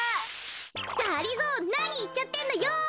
がりぞーなにいっちゃってんのよ。